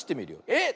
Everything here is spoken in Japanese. えっ！